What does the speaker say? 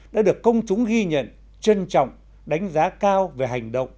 đã được công chúng ghi nhận trân trọng đánh giá cao về hành động